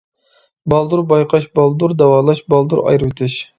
بالدۇر بايقاش، بالدۇر داۋالاش، بالدۇر ئايرىۋېتىش.